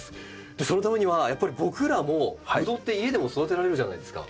そのためにはやっぱり僕らもブドウって家でも育てられるじゃないですか。